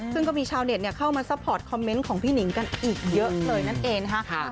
ซึ่งก็มีชาวเน็ตเข้ามาซัพพอร์ตคอมเมนต์ของพี่หนิงกันอีกเยอะเลยนั่นเองนะคะ